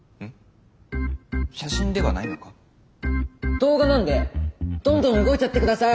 動画なんでどんどん動いちゃって下さい。